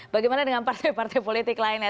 bagaimana dengan partai partai politik lainnya